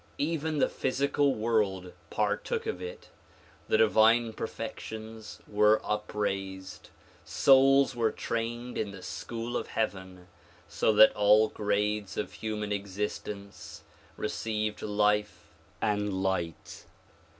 Even the physical world partook of it. The divine perfections were upraised ; souls were trained in the school of heaven so that all grades of human existence received life and light.